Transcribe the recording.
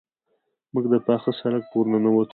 موږ د پاخه سړک په ورننوتو.